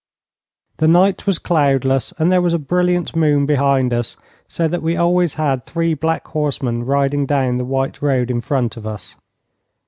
The night was cloudless, and there was a brilliant moon behind us, so that we always had three black horsemen riding down the white road in front of us.